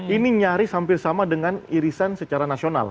ini nyaris hampir sama dengan irisan secara nasional